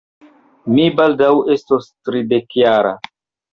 Mi baldaŭ estos tridekjara.